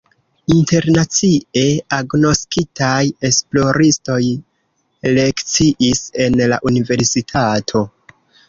Internacie agnoskitaj esploristoj lekciis en la universitato.